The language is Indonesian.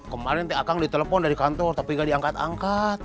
kemarin ditelepon dari kantor tapi nggak diangkat angkat